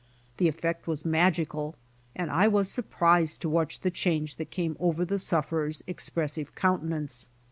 The effect was magical, and I was surprised to watch the change that came over the sufferei*'s expressive coun tenance.